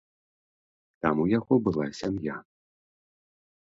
Там у яго была сям'я.